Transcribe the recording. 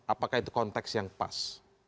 apakah itu konteks yang pas